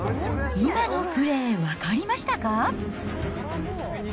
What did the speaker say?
今のプレー、分かりましたか？